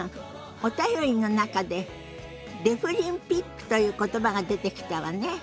お便りの中でデフリンピックという言葉が出てきたわね。